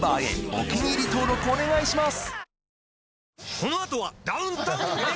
お気に入り登録お願いします